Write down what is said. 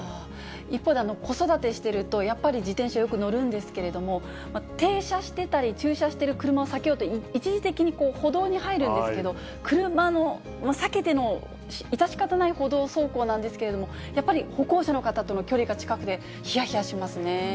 一方で、子育てしてると、やっぱり自転車、よく乗るんですけれども、停車してたり駐車してる車を避けようと、一時的に歩道に入るんですけど、車の、車を避けての致し方ない歩道走行なんですけれども、やっぱり歩行者の方との距離が近くて、ひやひやしますね。